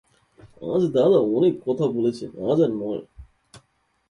আজ দাদা অনেক কথা বলেছেন, আজ আর নয়।